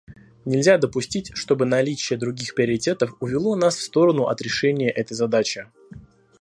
Нельзя допустить, чтобы наличие других приоритетов увело нас в сторону от решения этой задачи.